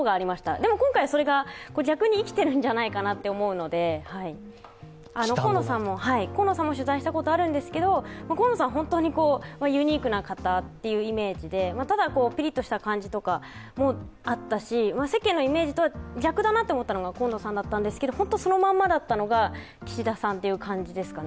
でも、今回はそれが逆に生きてるんじゃないかなと思うので河野さんも、取材したことがあるんですけど、河野さんは本当にユニークな方というイメージでただ、ピリッとした感じとかもあったし世間のイメージとは逆だなと思ったのが河野さんだったんですけど本当にそのままだったのが岸田さんという感じですかね。